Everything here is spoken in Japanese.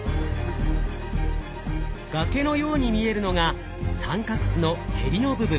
崖のように見えるのが三角州のへりの部分。